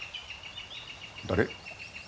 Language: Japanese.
誰？